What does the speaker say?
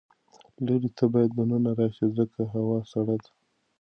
لورې ته باید د ننه راشې ځکه هوا سړه ده.